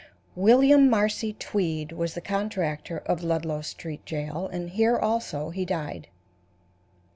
William Marcy Tweed was the contractor of Ludlow Street Jail, and here also he died.